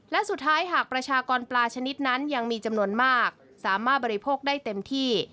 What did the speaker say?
และสุดท้ายหากประชากรปลาชนิดนั้นยังมีจำนวนมากสามารถบริโภคได้เต็มที่